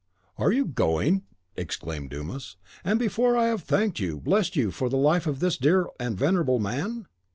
"Are you going?" exclaimed Dumas, "and before I have thanked you, blessed you, for the life of this dear and venerable man?